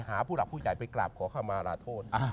ผู้หลักผู้ใหญ่ไปกราบขอเข้ามาลาโทษ